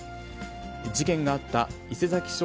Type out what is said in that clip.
事件があった伊勢佐木署